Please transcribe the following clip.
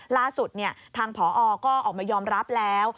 ล่าสุดทางผอก็ออกมายอมรับแล้ว